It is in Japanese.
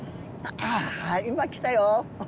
今来たよ。